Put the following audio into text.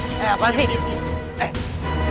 eh apaan sih